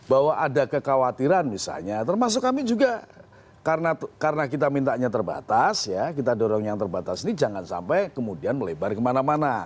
bahwa ada kekhawatiran misalnya termasuk kami juga karena kita mintanya terbatas ya kita dorong yang terbatas ini jangan sampai kemudian melebar kemana mana